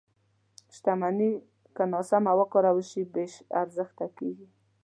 • شتمني که ناسمه وکارول شي، بې ارزښته کېږي.